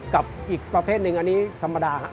กับอีกประเภทหนึ่งอันนี้ธรรมดาครับ